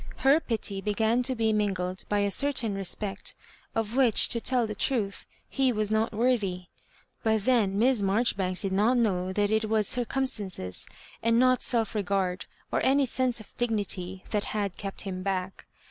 Her pity began to be mingled by a certain respect, of which, to tell the truth, he was not worthy; but then Miss Marjoribanks did not know that it was circumstances, and not self regard, or any sense of dignity, that had kept him back.